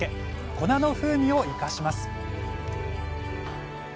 粉の風味を生かします